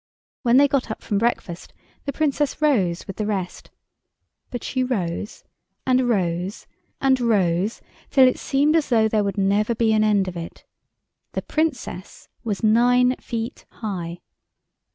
When they got up from breakfast the Princess rose with the rest, but she rose and rose and rose, till it seemed as though there would never be an end of it. The Princess was nine feet high.